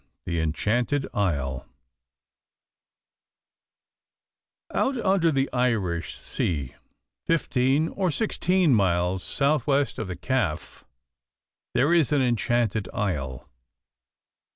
THE ENCHANTED ISLE Out under the Irish Sea, fifteen or sixteen miles south west of the Calf, there is an enchanted isle.